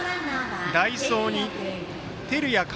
代走に照屋寛